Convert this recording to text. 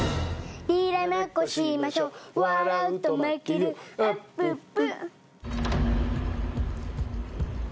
にらめっこしましょ笑うと負けよあっぷっぷ。